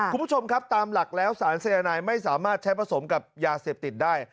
คุณผู้ชมครับตามหลักแล้วสารสายนายไม่สามารถใช้ผสมกับยาเสพติดได้